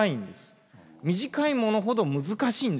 短いものほど難しいんです。